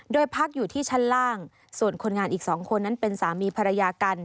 โดยพักอยู่ที่ชั้นล่างส่วนคนงานอีก๒คนนั้นเป็นสามีภรรยากัน